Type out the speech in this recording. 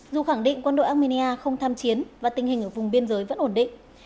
dù khẳng định quân đội armenia không tham chiến và tình hình ở vùng biên giới vẫn ổn định